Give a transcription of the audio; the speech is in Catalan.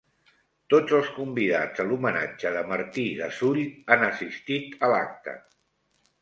Tots els convidats a l'homenatge de Martí Gasull han assistit a l'acte